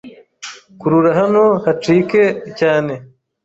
Kurura hano hacike cyane.